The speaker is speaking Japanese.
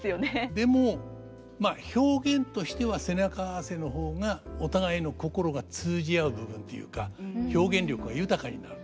でもまあ表現としては背中合わせの方がお互いの心が通じ合う部分ていうか表現力が豊かになるんですね。